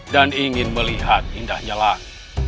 dan ingin melihat indahnya laut